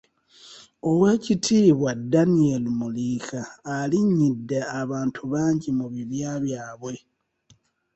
Ow’ekitiibwa Daniel Muliika alinnyidde abantu bangi mu bibya byabwe.